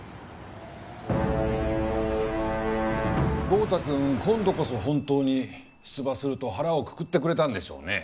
豪太くん今度こそ本当に出馬すると腹をくくってくれたんでしょうね？